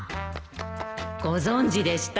ご存じでした？